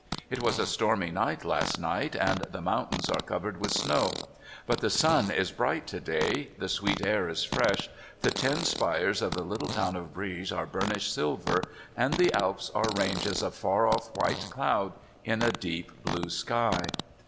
It w^as a stormy night last night, and the mountains are covered with snow. But the sun is bright to day, the sweet air is fresh, the tin spires of the little town of Brieg are burnished silver, and the Alps are ranges of far off white cloud in a deep blue sky.